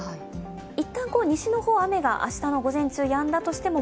いったん、西の方、雨が明日の午前中、やんだとしても